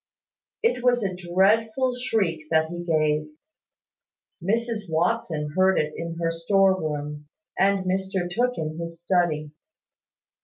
It was a dreadful shriek that he gave. Mrs Watson heard it in her store room, and Mr Tooke in his study.